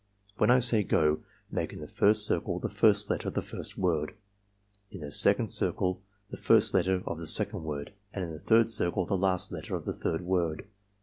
When I say 'go' make in the^rs^ circle the first letter of the first word: in the second circle the first letter of the second word, and in the third circle the last letter of the third word.